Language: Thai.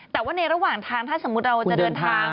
แต่ว่าในระหว่างทางถ้าสมมุติเราจะเดินทาง